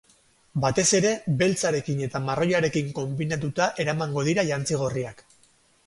Batez ere, beltzarekin eta marroiarekin konbinatuta eramango dira jantzi gorriak.